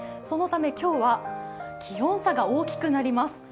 そのため、今日は気温差が大きくなります。